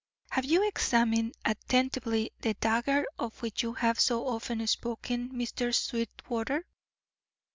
Have you examined attentively the dagger of which you have so often spoken, Mr. Sweetwater?"